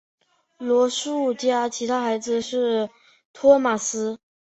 罗素家其他孩子是托马斯。